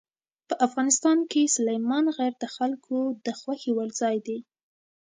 په افغانستان کې سلیمان غر د خلکو د خوښې وړ ځای دی.